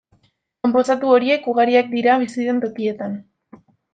Konposatu horiek ugariak dira bizi den tokietan.